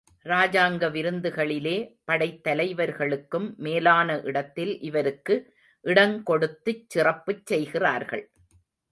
ராஜாங்க விருந்துகளிலே, படைத் தலைவர்களுக்கும், மேலான இடத்தில் இவருக்கு இடங்கொடுத்துச் சிறப்புச் செய்கிறார்கள்.